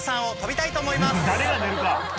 誰が寝るか！